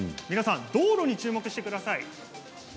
皆さん道路に注目してください。